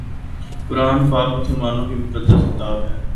قرآن پاک مسلمانوں کی مقدس کتاب ہے